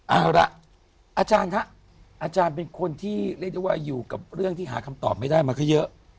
เอาละอาจารย์ฮะอาจารย์เป็นคนที่เรียกได้ว่าอยู่กับเรื่องที่หาคำตอบไม่ได้มาก็เยอะ